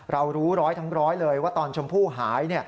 รู้ร้อยทั้งร้อยเลยว่าตอนชมพู่หาย